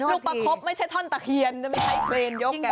ลูกประคบไม่ใช่ท่อนตะเคียนไม่ใช่เครนยกไง